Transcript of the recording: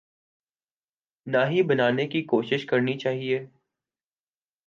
نہ ہی بنانے کی کوشش کرنی چاہیے۔